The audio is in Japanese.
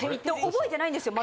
覚えてないんですよ